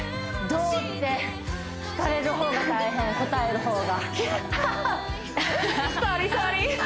どうって聞かれるほうが大変答えるほうがははっ！